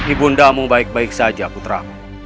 ibu bunda mau baik baik saja putra